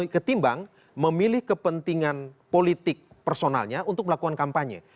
ketimbang memilih kepentingan politik personalnya untuk melakukan kampanye